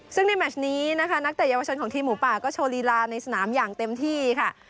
ซึ่งในแมชนี้นะคะนักเตะเยาวชนของทีมหมูป่าก็โชว์ลีลาในสนามอย่างเต็มที่ค่ะ